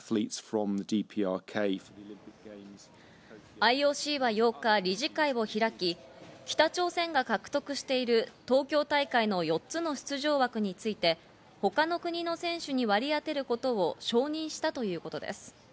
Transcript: ＩＯＣは８日、理事会を開き、北朝鮮が獲得している東京大会の４つの出場枠について、他の国の選手に割り当てることを承認したということです。